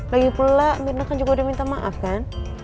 lagipula mirna kan juga udah minta maaf kan